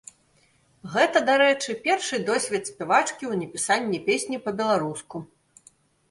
Гэта, дарэчы, першы досвед спявачкі ў напісанні песні па-беларуску.